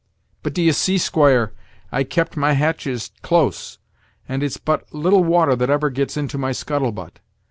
"But, d'yesee, squire, I kept my hatches chose, and it's but little water that ever gets into my scuttle butt.